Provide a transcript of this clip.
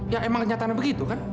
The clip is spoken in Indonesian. ya emang kenyataannya begitu kan